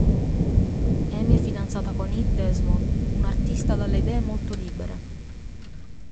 Amy è fidanzata con Heath Desmond, un artista dalle idee molto libere.